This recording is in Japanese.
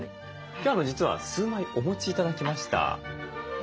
今日実は数枚お持ち頂きました。